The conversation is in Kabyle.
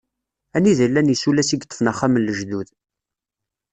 Anida i llan yisulas i yeṭfen axxam n lejdud.